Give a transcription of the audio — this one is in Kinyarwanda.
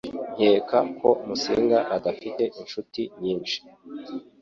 Nkeka ko Musinga adafite inshuti nyinshi